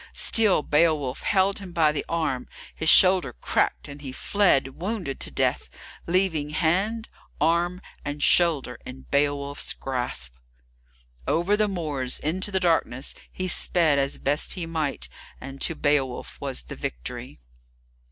Still Beowulf held him by the arm; his shoulder cracked, and he fled, wounded to death, leaving hand, arm, and shoulder in Beowulf's grasp. Over the moors, into the darkness, he sped as best he might, and to Beowulf was the victory.